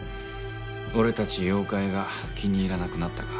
俺たち妖怪が気に入らなくなったか。